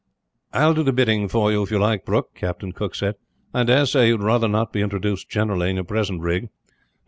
"I will do the bidding for you, if you like, Brooke," Captain Cooke said. "I dare say you would rather not be introduced, generally, in your present rig."